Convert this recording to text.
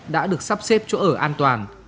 đã được sắp xếp chỗ ở an toàn